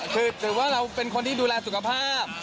คือถือว่าเราเป็นคนที่ดูแลสุขภาพ